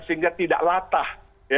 sehingga tidak latah